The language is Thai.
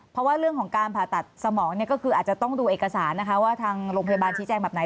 เพราะว่าเรื่องของการผ่าตัดสมองเนี่ยก็คืออาจจะต้องดูเอกสารนะคะว่าทางโรงพยาบาลชี้แจงแบบไหน